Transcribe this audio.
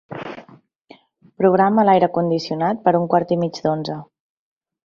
Programa l'aire condicionat per a un quart i mig d'onze.